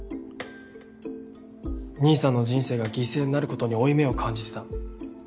兄さんの人生が犠牲になる事に負い目を感じてた。